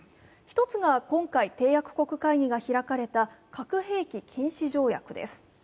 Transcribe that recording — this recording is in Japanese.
１つが、今回締約国会議が開かれた核兵器禁止条約です。